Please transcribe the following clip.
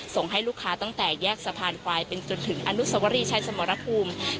ส่งให้ลูกค้าตั้งแต่แยกสะพานควายเป็นจนถึงอนุสวรีชัยสมรภูมิ